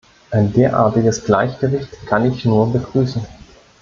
Ein derartiges Gleichgewicht kann ich nur begrüßen.